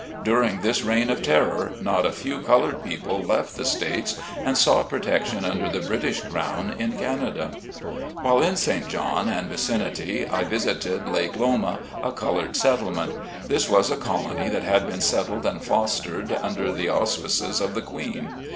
During this reign of terror, not a few colored people left the States and sought protection under the British Crown, in Canada. While in St. John and vicinity I visited Lake Loma, a colored settlement. This was a colony that had been settled and fostered under the auspi ces of the Queen.